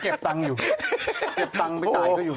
เก็บตังค์ไปตายก็อยู่